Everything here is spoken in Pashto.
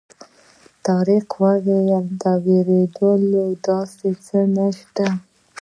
طارق وویل د وېرېدلو داسې څه نه شته.